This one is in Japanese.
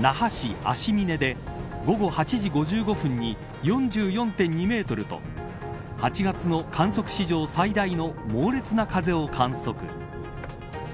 那覇市安次嶺で午後８時５５分に４４．２メートルと８月の観測史上最大の猛烈な風を観測。